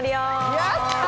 やった！